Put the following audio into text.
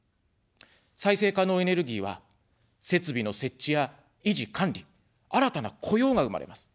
再生可能エネルギーは、設備の設置や維持管理、新たな雇用が生まれます。